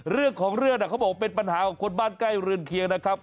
เรื่องของเรื่องเขาบอกเป็นปัญหาของคนบ้านใกล้เรือนเคียงนะครับ